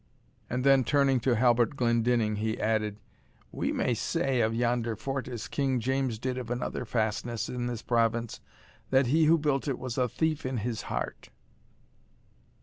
_" and then, turning to Halbert Glendinning, he added, "We may say of yonder fort as King James did of another fastness in this province, that he who built it was a thief in his heart."